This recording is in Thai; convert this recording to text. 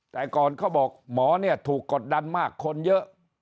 แต่ก่อนเขาบอกหมอเนี่ยถูกกดดันมากคนเยอะ